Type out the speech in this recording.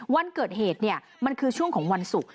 วันเกิดเหตุมันคือช่วงของวันศุกร์